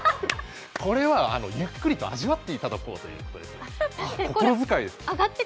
これはゆっくり味わっていただこうということです。